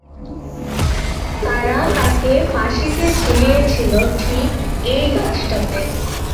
তারা তাকে ফাঁসিতে ঝুলিয়েছিল ঠিক এই গাছটা তে।